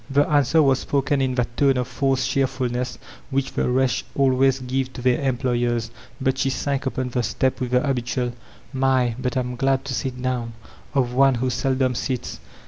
The answer was spoken in that tone of forced cheer« fulness which the wretched always give to their employ ers; but she sank upon the step with the habitual "My, but I'm i^d to sit down," of one who seldom sits.